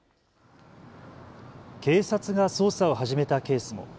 警察が捜査を始めたケースも。